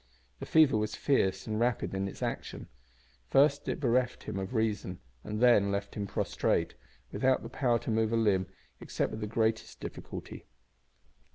The fever was fierce and rapid in its action. First it bereft him of reason and then left him prostrate, without the power to move a limb except with the greatest difficulty.